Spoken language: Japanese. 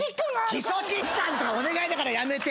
基礎疾患とかお願いだからやめて！